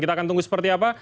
kita akan tunggu seperti apa